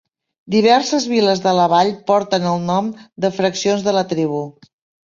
Diverses viles de la vall porten el nom de fraccions de la tribu.